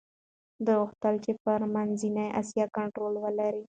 دوی غوښتل چي پر منځنۍ اسیا کنټرول ولري.